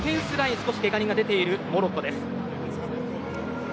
少しけが人が出ているモロッコ。